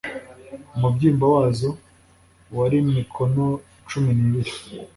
umubyimba wazo wari mikono cumi n’ibiri